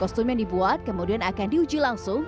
kostum yang dibuat kemudian akan diuji langsung